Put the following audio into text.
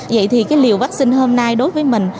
vậy thì cái liều vaccine hôm nay đối với mình